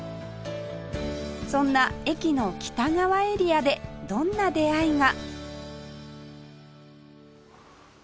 そんな駅の北側エリアでどんな出会いが？